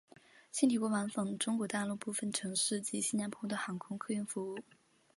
现提供往返中国大陆部分城市及新加坡的航空客运服务。